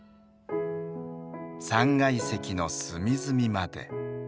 ３階席の隅々まで。